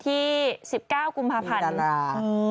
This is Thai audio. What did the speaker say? อีตรา